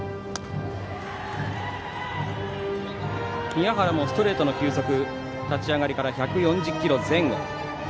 宮原のストレートの球速は立ち上がりから１４０キロ前後。